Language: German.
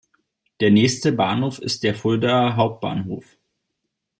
Der nächste Bahnhof ist der Fuldaer Hauptbahnhof.